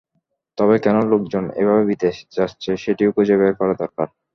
তবে কেন লোকজন এভাবে বিদেশে যাচ্ছে সেটিও খুঁজে বের করা দরকার।